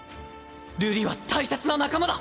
瑠璃は大切な仲間だ。